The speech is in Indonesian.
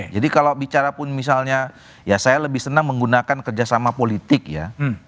jadi kalau bicara pun misalnya ya saya lebih senang menggunakan kerjasama politik ya